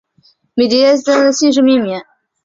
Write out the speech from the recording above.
米底捷斯基球场的姓氏命名。